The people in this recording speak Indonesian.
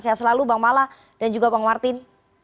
saya selalu bang mala dan juga bang martin